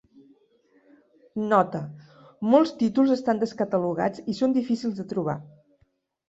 Nota: molts títols estan descatalogats i són difícils de trobar.